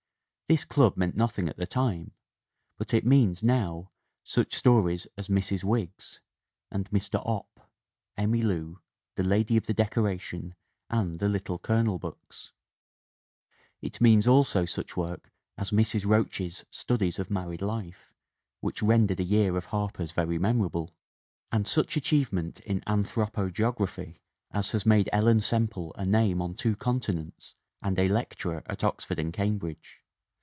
This club meant nothing at the time, but it means, now, such stories as Mrs. Wiggs and Mr. Opp, Emmy Lou, The Lady of the Decoration and the Little Colonel books. It means also such work as Mrs. Roach's 316 THE WOMEN WHO MAKE OUR NOVELS studies of married life which rendered a year of Harper's very memorable and such achievement in anthropo geography as has made Ellen Semple a name on two continents and a lecturer at Oxford and Cam bridge.